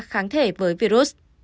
kháng thể với virus